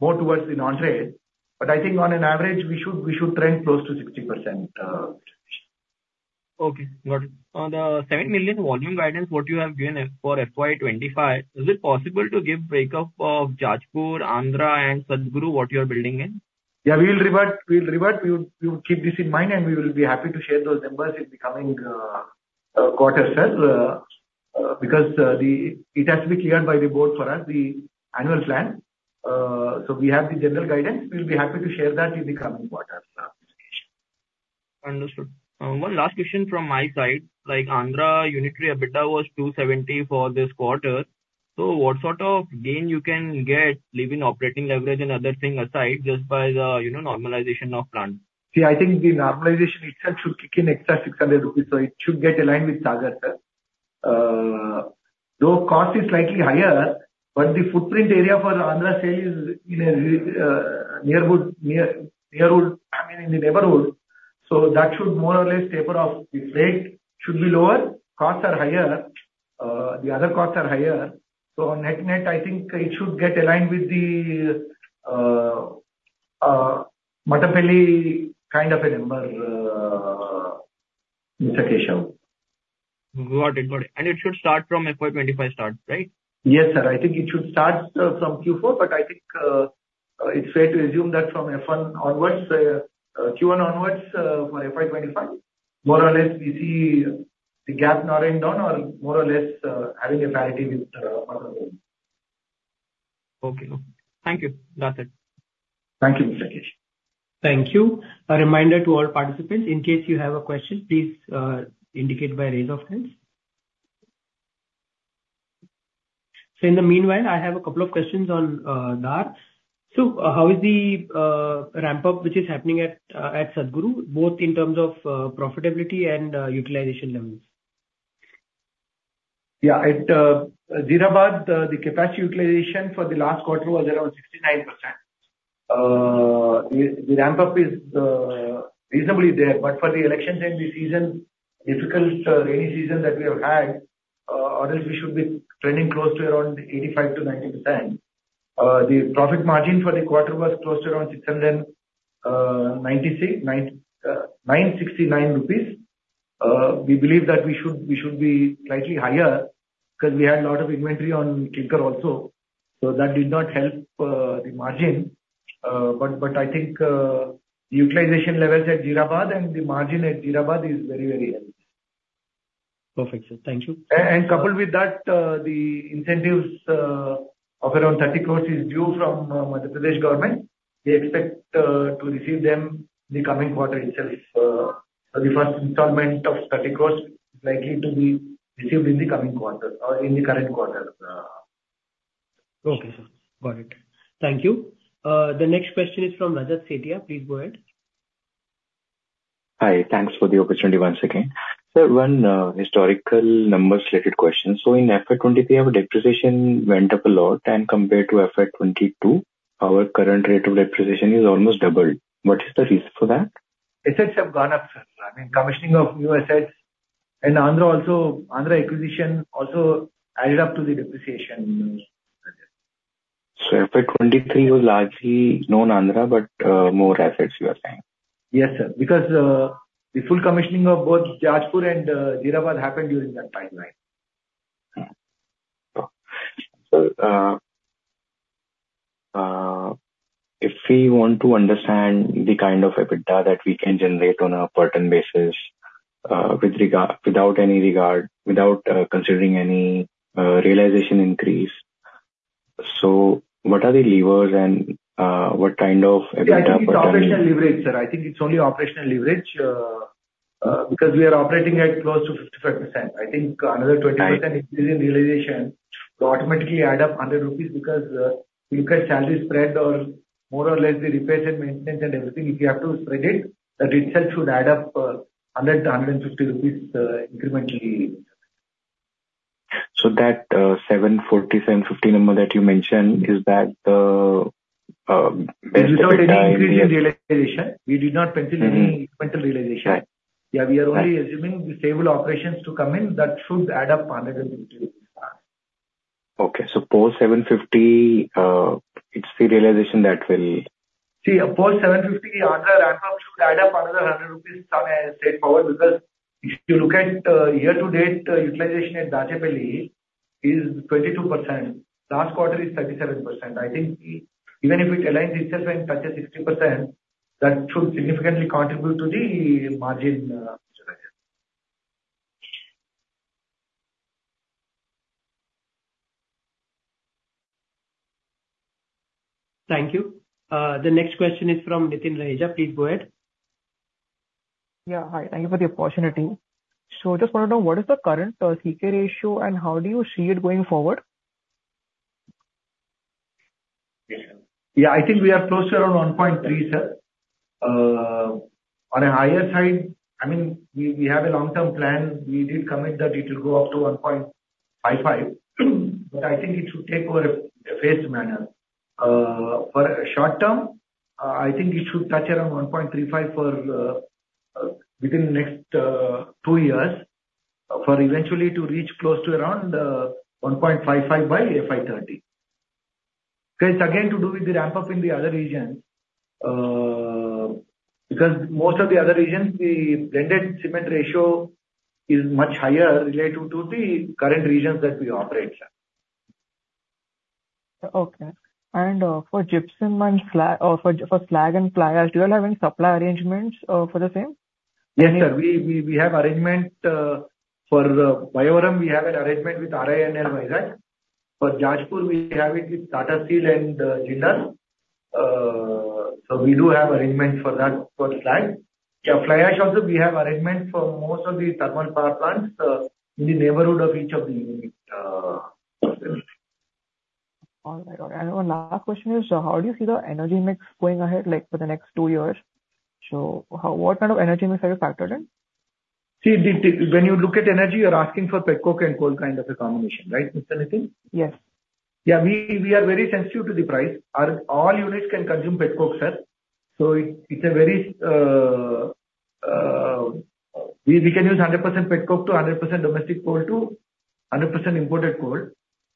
more towards the non-trade. But I think on an average, we should trend close to 60%. Okay, got it. On the 7 million volume guidance, what you have given for FY 2025, is it possible to give breakup of Jajpur, Andhra, and Satguru, what you are building in? Yeah, we will revert, we will revert. We will, we will keep this in mind, and we will be happy to share those numbers in the coming quarters, sir. Because it has to be cleared by the board for us, the annual plan. So we have the general guidance. We'll be happy to share that in the coming quarters, Mr. Keshav. Understood. One last question from my side. Like, Andhra unitary EBITDA was 270 for this quarter. So what sort of gain you can get, leaving operating leverage and other things aside, just by the, you know, normalization of plant? See, I think the normalization itself should kick in extra 600 rupees, so it should get aligned with Sagar, sir. Though cost is slightly higher, but the footprint area for Andhra sales is in the neighborhood. So that should more or less taper off. The rate should be lower, costs are higher. The other costs are higher. So on net, I think it should get aligned with the Mattampally kind of a number, Mr. Keshav. Got it, got it. It should start from FY 25 start, right? Yes, sir. I think it should start from Q4, but I think it's fair to assume that from F1 onwards, Q1 onwards, for FY 25, more or less we see the gap narrowing down or more or less having a parity with other... Okay. Thank you. That's it. Thank you, Mr. Keshav. Thank you. A reminder to all participants, in case you have a question, please indicate by a raise of hands. So in the meanwhile, I have a couple of questions on Dhar. So how is the ramp-up, which is happening at Satguru, both in terms of profitability and utilization levels? Yeah, at Jeerabad, the capacity utilization for the last quarter was around 69%. The ramp-up is reasonably there. But for the election season, the difficult rainy season that we have had, or else we should be trending close to around 85%-90%. The profit margin for the quarter was close to around 969 rupees. We believe that we should be slightly higher because we had a lot of inventory on Clinker also. So that did not help the margin. But I think utilization levels at Jeerabad and the margin at Jeerabad is very, very high. Perfect, sir. Thank you. Coupled with that, the incentives of around 30 crore is due from the Madhya Pradesh government. We expect to receive them in the coming quarter itself. The first installment of INR 30 crore is likely to be received in the coming quarter or in the current quarter. Okay, sir. Got it. Thank you. The next question is from Rajat Sethia. Please go ahead. Hi. Thanks for the opportunity once again. Sir, one historical number-related question. So in FY 2023, our depreciation went up a lot, and compared to FY 2022, our current rate of depreciation is almost doubled. What is the reason for that? Assets have gone up, sir. I mean, commissioning of new assets, and Andhra also, Andhra acquisition also added up to the depreciation. So FY 2023 was largely non-Andhra, but more assets, you are saying? Yes, sir. Because the full commissioning of both Jajpur and Jeerabad happened during that timeline. So, if we want to understand the kind of EBITDA that we can generate on a per ton basis, without any regard, without considering any realization increase, so what are the levers and what kind of EBITDA per ton- Yeah, I think it's operational leverage, sir. I think it's only operational leverage, because we are operating at close to 55%. I think another 20% increase in realization will automatically add up 100 rupees because, you look at salary spread or more or less the repairs and maintenance and everything, if you have to spread it, the detail should add up, 100-150 rupees, incrementally. So that 740, 750 number that you mentioned, is that Without any increase in realization. We did not pencil any realization. Right. Yeah, we are only assuming the stable operations to come in. That should add up another increase. Okay. So post 750, it's the realization that will- See, post 750, another ramp up should add up another 100 rupees some, straightforward, because if you look at, year to date, utilization at Dachepalli is 22%. Last quarter is 37%. I think even if it aligns itself and touches 60%, that should significantly contribute to the margin. Thank you. The next question is from Nitin Raheja. Please go ahead. Yeah, hi. Thank you for the opportunity. So just want to know, what is the current CK ratio, and how do you see it going forward? Yeah, I think we are close to around 1.3, sir. On a higher side, I mean, we have a long-term plan. We did commit that it will go up to 1.55, but I think it should take over a phased manner. For short term, I think it should touch around 1.35 within the next two years, for eventually to reach close to around 1.55 by FY 2030. It's again to do with the ramp up in the other region, because most of the other regions, the blended cement ratio is much higher related to the current regions that we operate, sir. Okay. For gypsum and slag, for slag and fly ash, you all have any supply arrangements for the same? Yes, sir. We have arrangement for Bayyavaram, we have an arrangement with RINL Vizag. For Jajpur, we have it with Tata Steel and Jindal. So we do have arrangements for that, for slag. Fly ash also, we have arrangement for most of the thermal power plants in the neighborhood of each of the unit. All right. One last question is, how do you see the energy mix going ahead, like for the next two years? How, what kind of energy mix have you factored in? See, when you look at energy, you're asking for Petcoke and coal kind of a combination, right, Mr. Nitin? Yes. Yeah, we are very sensitive to the price. Our all units can consume Petcoke, sir. So it's a very, we can use 100% Petcoke to 100% domestic coal to 100% imported coal.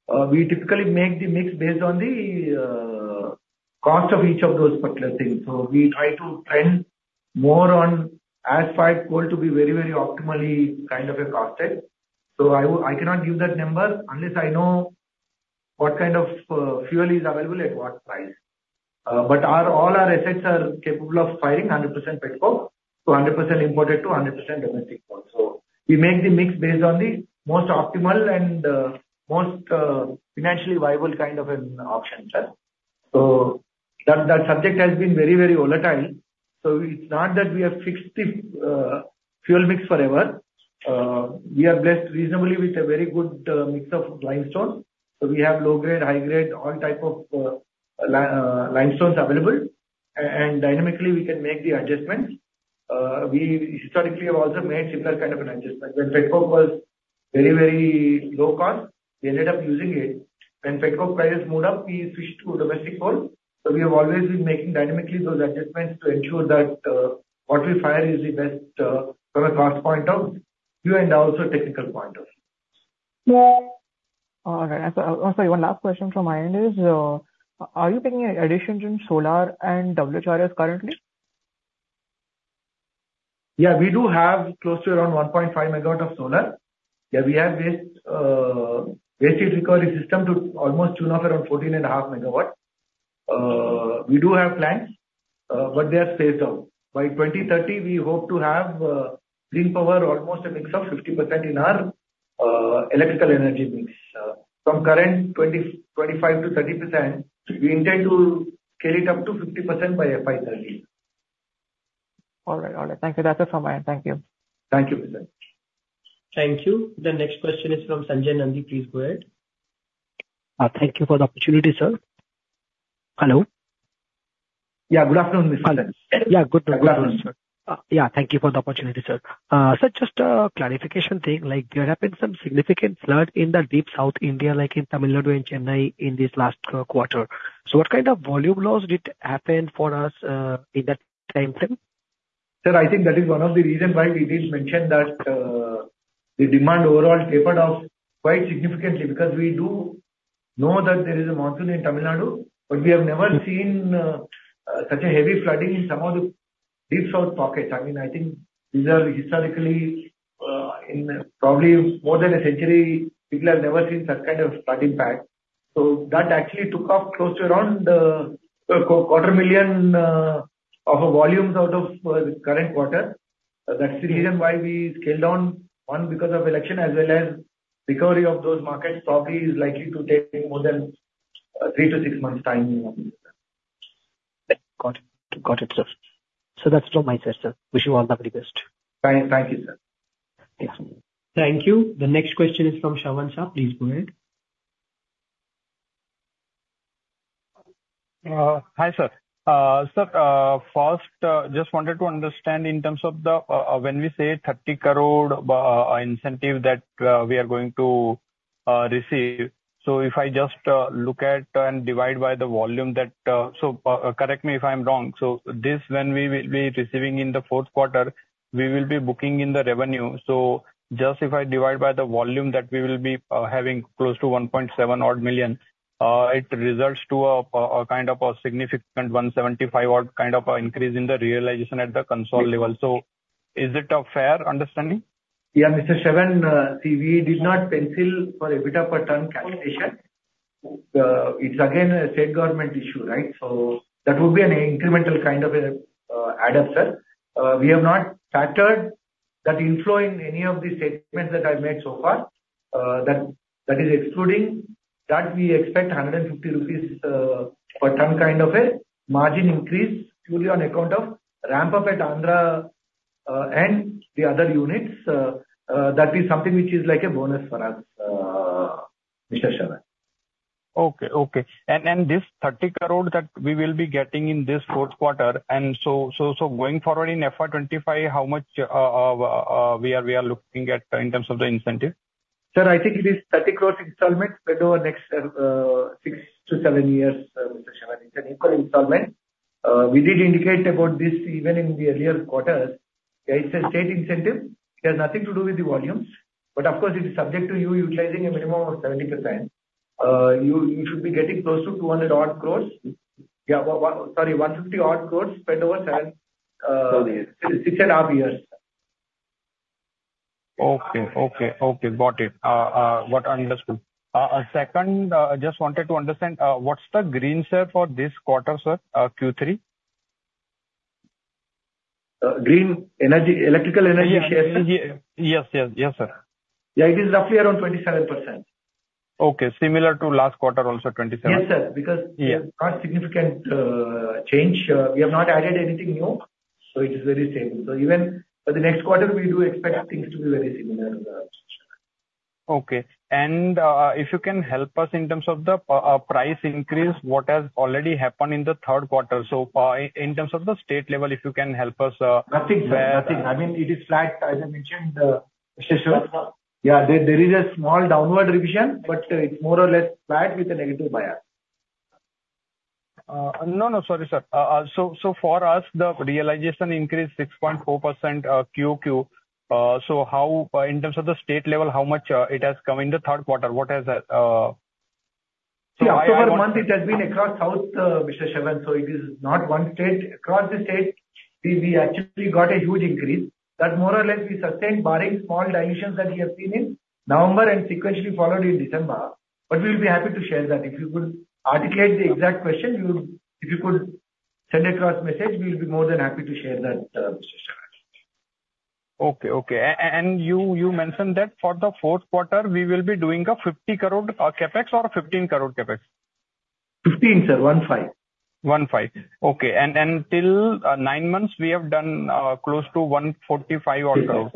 We typically make the mix based on the cost of each of those particular things. So we try to trend more on as far coal to be very, very optimally kind of a costed. So I cannot give that number unless I know what kind of fuel is available at what price. But all our assets are capable of firing 100% Petcoke, to 100% imported, to 100% domestic coal. So we make the mix based on the most optimal and most financially viable kind of an option, sir. So that subject has been very, very volatile. So it's not that we have fixed the fuel mix forever. We are blessed reasonably with a very good mix of limestone. So we have low grade, high grade, all type of limestones available, and dynamically, we can make the adjustments. We historically have also made similar kind of an adjustment. When Petcoke was very, very low cost, we ended up using it. When Petcoke price moved up, we switched to domestic coal. So we have always been making dynamically those adjustments to ensure that what we fire is the best from a cost point of view and also technical point of view. Yeah. All right. Sorry, one last question from my end is, are you taking additions in solar and WHRS currently? Yeah, we do have close to around 1.5 MW of solar. Yeah, we have this waste heat recovery system to the tune of around 14.5 MW. We do have plans, but they are phased out. By 2030, we hope to have green power almost a mix of 50% in our electrical energy mix. From current 20-25 to 30%, we intend to scale it up to 50% by FY 2030. All right. All right. Thank you. That's it from my end. Thank you. Thank you, Nitin. Thank you. The next question is from Sanjay Nandi. Please go ahead. Thank you for the opportunity, sir. Hello? Yeah, good afternoon, Sanjay. Yeah, good afternoon, sir. Good afternoon, sir. Yeah, thank you for the opportunity, sir. So just a clarification thing, like there have been some significant flood in the deep South India, like in Tamil Nadu and Chennai, in this last quarter. So what kind of volume loss did happen for us in that timeframe? Sir, I think that is one of the reasons why we did mention that the demand overall tapered off quite significantly, because we do know that there is a monsoon in Tamil Nadu, but we have never seen such a heavy flooding in some of the deep south pockets. I mean, I think these are historically in probably more than a century, people have never seen such kind of flooding back. So that actually took off close to around 250,000 volumes out of the current quarter. That's the reason why we scaled down, one, because of election, as well as recovery of those markets probably is likely to take more than three to six months' time.... Got it, got it, sir. So that's all my side, sir. Wish you all the very best. Thank you, sir. Thanks. Thank you. The next question is from Shravan Shah. Please go ahead. Hi, sir. Sir, first, just wanted to understand in terms of the, when we say 30 crore, incentive that, we are going to, receive. So if I just, look at and divide by the volume that... So, correct me if I'm wrong. So this, when we will be receiving in the fourth quarter, we will be booking in the revenue. So just if I divide by the volume that we will be, having close to 1.7 million, it results to a, a kind of a significant 175, kind of an increase in the realization at the consol level. So is it a fair understanding? Yeah, Mr. Shravan, see, we did not pencil for EBITDA per ton calculation. It's again, a state government issue, right? So that would be an incremental kind of add up, sir. We have not factored that inflow in any of the statements that I've made so far. That, that is excluding, that we expect 150 rupees per ton, kind of a margin increase purely on account of ramp up at Andhra, and the other units. That is something which is like a bonus for us, Mr. Shravan. Okay, okay. And this 30 crore that we will be getting in this fourth quarter, and so going forward in FY 25, how much we are looking at in terms of the incentive? Sir, I think it is 30 crores installment spread over next, six-seven years, Mr. Shravan. It's an equal installment. We did indicate about this even in the earlier quarters. It's a state incentive. It has nothing to do with the volumes, but of course, it is subject to you utilizing a minimum of 70%. You should be getting close to 200-odd crores. Yeah, sorry, 150-odd crores, spread over seven. Four years. 6.5 years. Okay, okay, okay. Got it. Got understood. Second, just wanted to understand, what's the green share for this quarter, sir? Q3. Green energy, electrical energy share, sir? Yes, yes. Yes, sir. Yeah, it is roughly around 27%. Okay. Similar to last quarter, also 27. Yes, sir. Yeah. Because we have not significant change. We have not added anything new, so it is very same. So even for the next quarter, we do expect things to be very similar, Mr. Shravan. Okay. And if you can help us in terms of the price increase, what has already happened in the third quarter? So, in terms of the state level, if you can help us, Nothing, sir. Nothing. I mean, it is flat, as I mentioned, Mr. Shah. Yeah, there, there is a small downward revision, but, it's more or less flat with a negative bias. No, no, sorry, sir. So for us, the realization increased 6.4%, QoQ. So how, in terms of the state level, how much it has come in the third quarter? What has... See, October month, it has been across South, Mr. Shravan, so it is not one state. Across the state, we, we actually got a huge increase. That more or less, we sustained, barring small dilutions that we have seen in November and sequentially followed in December. But we will be happy to share that. If you could articulate the exact question, you would... If you could send across message, we'll be more than happy to share that, Mr. Shravan. Okay, okay. And you, you mentioned that for the fourth quarter, we will be doing a 50 crore CapEx or a 15 crore CapEx? 15, sir. 1 5. 15. Okay. And till nine months, we have done close to 145 odd crore.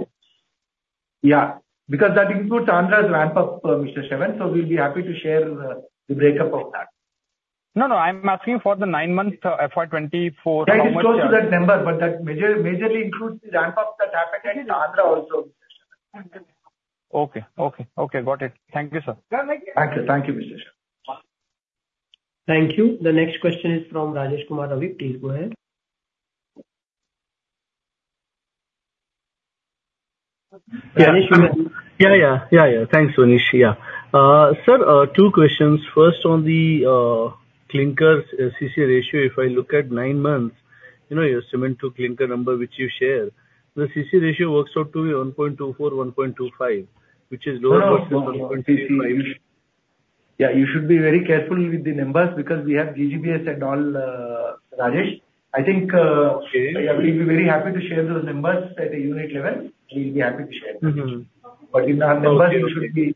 Yeah, because that includes Andhra's ramp up, Mr. Shravan, so we'll be happy to share the breakup of that. No, no, I'm asking for the nine-month FY 2024, how much? Yeah, it is close to that number, but that majorly includes the ramp up that happened at Andhra also, Mr. Shravan. Okay, okay. Okay, got it. Thank you, sir. Yeah, thank you. Thank you, Mr. Shravan. Thank you. The next question is from Rajesh Kumar Ravi. Please go ahead. Yeah. Rajesh Kumar- Yeah, yeah, yeah, yeah. Thanks, Rajesh. Yeah. Sir, two questions. First, on the clinker CC ratio, if I look at nine months, you know, your cement to clinker number, which you share, the CC ratio works out to be 1.24-1.25, which is lower- No, no. Yeah, you should be very careful with the numbers, because we have GGBS and all, Rajesh. I think, Okay. We'll be very happy to share those numbers at a unit level. We'll be happy to share those numbers. Mm-hmm. But in our numbers, you should be-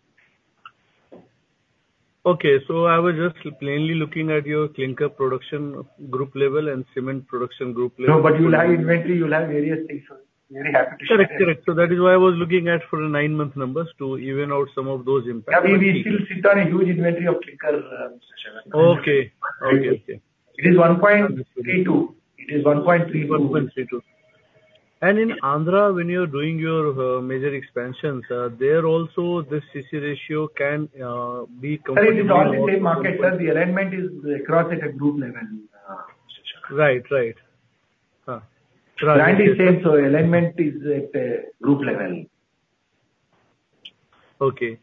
Okay, so I was just plainly looking at your Clinker production group level and cement production group level. No, but you'll have inventory, you'll have various things, sir. Very happy to share. Correct, correct. So that is why I was looking at for a nine-month numbers to even out some of those impacts. Yeah, we still sit on a huge inventory of clinker, Mr. Shravan. Okay. Okay, okay. It is 1.32. Understood. It is 1.32. 1.32. In Andhra, when you're doing your major expansions, there also, this CC ratio can be compared- Sir, it is all the same market, sir. The alignment is across at a group level, Mr. Shavan. Right, right. Right. Brand is same, so alignment is at a group level. Okay.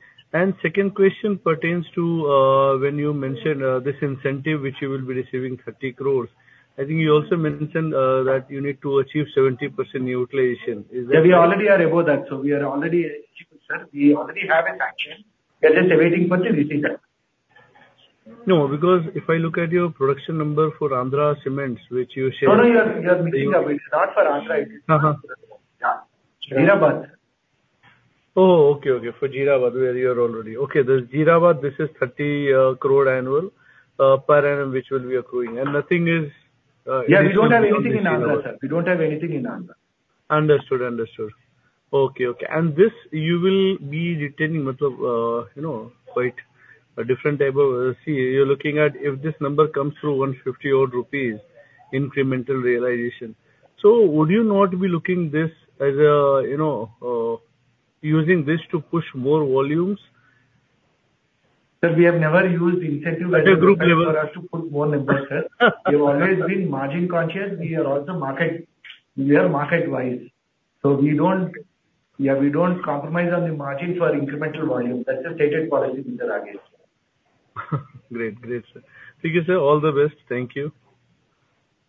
Second question pertains to, when you mentioned, this incentive, which you will be receiving 30 crore. I think you also mentioned, that you need to achieve 70% utilization. Is that- Yeah, we already are above that, so we are already achieved, sir. We already have a sanction. We're just awaiting for the receipt, sir. No, because if I look at your production number for Andhra Cements, which you shared- No, no, you're, you're mixing up. It's not for Andhra. Uh, uh. Yeah. Jeerabad. Oh, okay, okay. For Jeerabad, where you're already... Okay, the Jeerabad, this is 30 crore annual per annum, which will be accruing, and nothing is- Yeah, we don't have anything in Andhra, sir. We don't have anything in Andhra. Understood, understood. Okay, okay. This, you will be retaining, you know, quite a different type of... See, you're looking at if this number comes through 150 odd rupees incremental realization. So would you not be looking at this as, you know, using this to push more volumes? Sir, we have never used incentive as- At a group level.... for us to put more numbers, sir. We've always been margin conscious. We are also market-wise, so we don't... Yeah, we don't compromise on the margin for incremental volume. That's a stated policy, Mr. Rajesh. Great, great, sir. Thank you, sir. All the best. Thank you.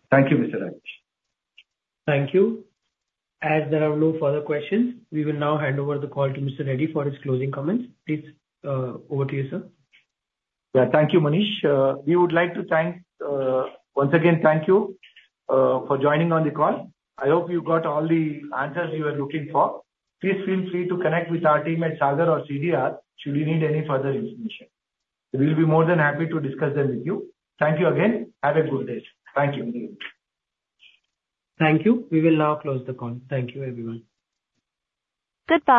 Thank you, Mr. Rajesh. Thank you. As there are no further questions, we will now hand over the call to Mr. Reddy for his closing comments. Please, over to you, sir. Yeah, thank you, Manish. We would like to thank, once again, thank you, for joining on the call. I hope you got all the answers you were looking for. Please feel free to connect with our team at Sagar or CDR should you need any further information. We will be more than happy to discuss them with you. Thank you again. Have a good day. Thank you. Thank you. We will now close the call. Thank you, everyone. Good day.